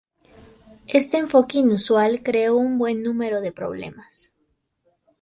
Este enfoque inusual creó un buen número de problemas.